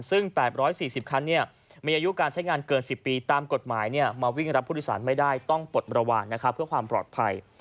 ซึ่ง๘๔๐คันมีอายุการใช้งานเกิน๑๐ปีตามกฎหมายมาวิ่งรับผู้โดยสารไม่ได้ต้องปลดระวังเพื่อความปลอดภัย